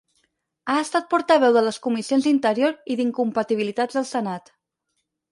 Ha estat portaveu de les comissions d'interior i d'incompatibilitats del Senat.